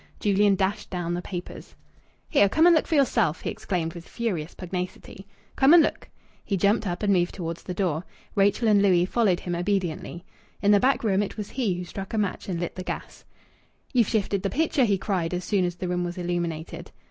Julian dashed down the papers. "Here! Come and look for yourself!" he exclaimed with furious pugnacity. "Come and look." He jumped up and moved towards the door. Rachel and Louis followed him obediently. In the back room it was he who struck a match and lighted the gas. "You've shifted the picture!" he cried, as soon as the room was illuminated.